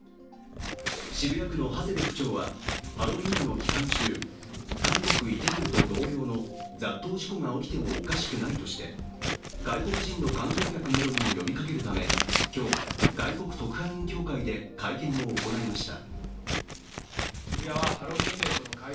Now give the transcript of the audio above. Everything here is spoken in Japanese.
渋谷区の長谷部区長はハロウィーンの期間中、韓国・イテウォンと同様の同様の雑踏事故が起きてもおかしくないとして外国人の観光客などにも呼びかけるため、今日、外国特派員協会で会見を行いました。